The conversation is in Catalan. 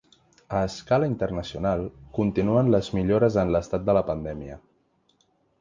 A escala internacional, continuen les millores en l’estat de la pandèmia.